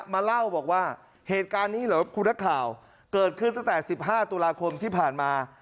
มาเล่าบอกว่าเหตุการณ์นี้เหรอคุณนักข่าวเกิดขึ้นตั้งแต่๑๕ตุลาคมที่ผ่านมา